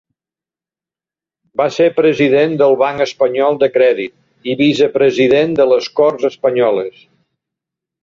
Va ser President del Banc Espanyol de Crèdit i vicepresident de les Corts Espanyoles.